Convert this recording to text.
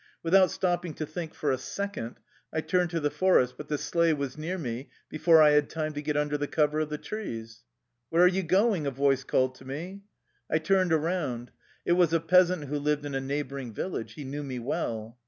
Without stopping to think for a second, I turned to the forest, but the sleigh was near me before I had time to get under the cover of the trees. " Where are you going? " a voice called to me. I turned around. It was a peasant who lived in a neighboring village. He knew me well.